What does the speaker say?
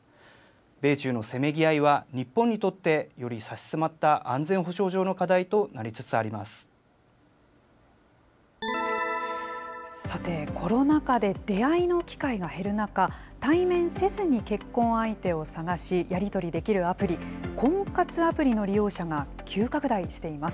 米中のせめぎ合いは、日本にとって、より差し迫った安全保障上のさて、コロナ禍で出会いの機会が減る中、対面せずに結婚相手を探し、やり取りできるアプリ、婚活アプリの利用者が急拡大しています。